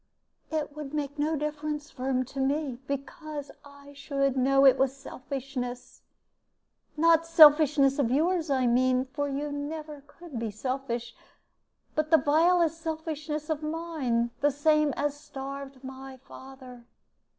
"It would make no difference, Firm, to me; because I should know it was selfishness. Not selfishness of yours, I mean, for you never could be selfish; but the vilest selfishness of mine, the same as starved my father.